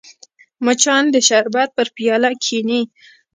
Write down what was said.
مچان د شربت پر پیاله کښېني